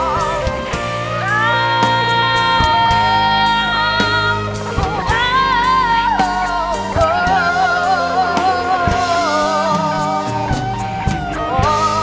ที่มึงกลัว